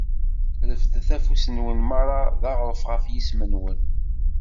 Refdet afus-nwen mara d-aɣreɣ ɣef yisem-nwen.